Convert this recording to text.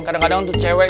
kadang kadang tuh cewek